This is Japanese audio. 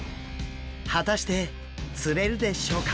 果たして釣れるでしょうか？